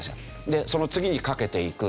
でその次にかけていく。